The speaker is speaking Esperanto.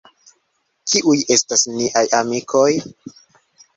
Kiuj estas niaj amikoj?